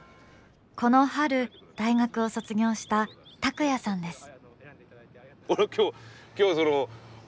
この春、大学を卒業したたくやさんです。